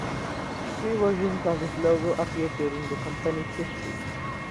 Three versions of this logo appeared during the company's history.